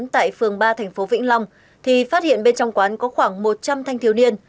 tại phường ba thành phố vĩnh long thì phát hiện bên trong quán có khoảng một trăm linh thanh thiếu niên